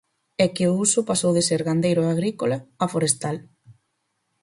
É que o uso pasou de ser gandeiro e agrícola a forestal.